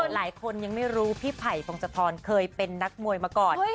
หลายคนยังไม่รู้พี่ไผ่พงศธรเคยเป็นนักมวยมาก่อน